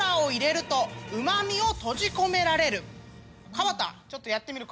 川田ちょっとやってみるか。